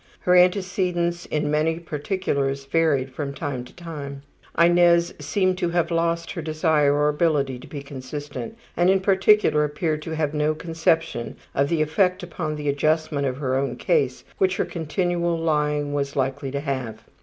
Her antecedents in many particulars varied from time to time. Inez seemed to have lost her desire or ability to be consistent, and in particular appeared to have no conception of the effect upon the adjustment of her own case which her continual lying was likely to have.